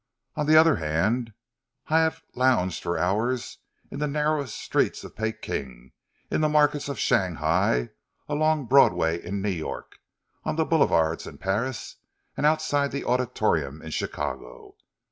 On the other hand, I have lounged for hours in the narrowest streets of Pekin, in the markets of Shanghai, along Broadway in New York, on the boulevards in Paris, outside the Auditorium in Chicago.